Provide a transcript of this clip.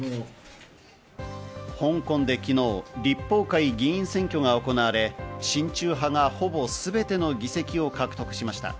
香港で昨日、立法会議員選挙が行われ親中派がほぼすべての議席を獲得しました。